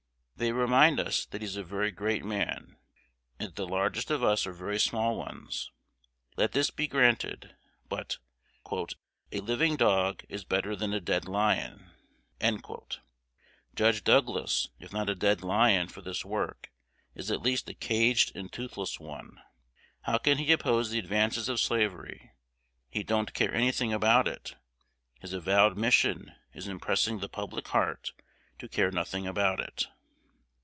They remind us that he is a very great man, and that the largest of us are very small ones. Let this be granted. But "a living dog is better than a dead lion." Judge Douglas, if not a dead lion for this work, is at least a caged and toothless one. How can he oppose the advances of slavery? He don't care any thing about it. His avowed mission is impressing the "public heart" to care nothing about it.